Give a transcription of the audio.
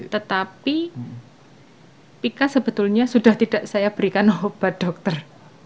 tetapi pika sebetulnya sudah tidak saya berikan obat dokter